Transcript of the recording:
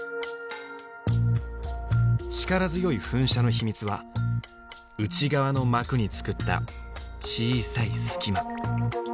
力強い噴射の秘密は内側の膜に作った小さい隙間。